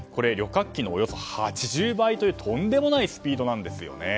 旅客機のおよそ８０倍というとんでもないスピードなんです。